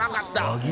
和牛？